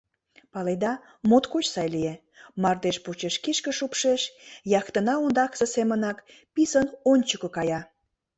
Паледа, моткоч сай лие, мардеж почеш кишке шупшеш, яхтына ондакысе семынак писын ончыко кая.